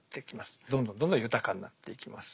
どんどんどんどん豊かになっていきます。